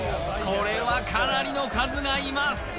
これはかなりの数がいます